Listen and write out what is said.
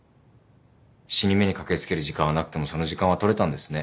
死に目に駆け付ける時間はなくてもその時間は取れたんですね。